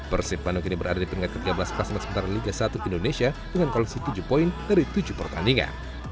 persip mano kini berada di pinggir ke tiga belas kelas mengecementara liga satu indonesia dengan kondisi tujuh poin dari tujuh pertandingan